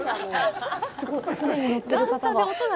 船に乗ってる方が。